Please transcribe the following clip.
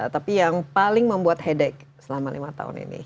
tapi yang paling membuat headach selama lima tahun ini